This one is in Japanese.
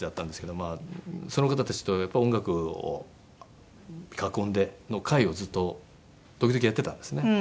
その方たちと音楽を囲んでの会をずっと時々やってたんですね。